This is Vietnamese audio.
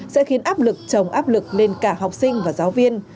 sẽ khiến áp lực trồng áp lực lên cả học sinh và giáo viên